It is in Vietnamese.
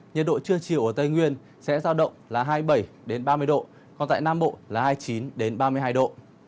nhiệt độ trưa chiều ở tây nguyên sẽ giao động là hai mươi bảy ba mươi độ còn tại nam bộ là hai mươi chín ba mươi hai độ